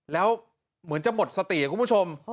แล้วเหมือนจะหมดสติคุณผู้ชม